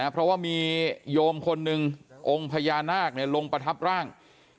เพราะว่ามีโยมคนหนึ่งองค์พญานาคลงประทับร่าง